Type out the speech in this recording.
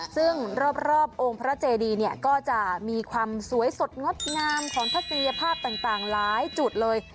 ซึ่งรอบองค์พระเจดีเนี่ยก็จะมีความสวยสดงดงามของทัศนียภาพต่างหลายจุดเลย